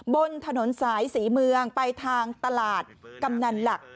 บนถนนสายศรีเมืองไปทางตลาดกำนันหลัก